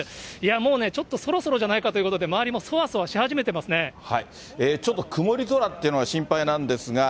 もうね、ちょっとそろそろじゃないかということで、ちょっと曇り空っていうのが心配なんですが。